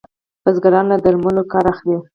بزګران له درملو کار اخلي.